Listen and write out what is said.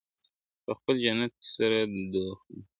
په خپل جنت کي سره دوخونه ..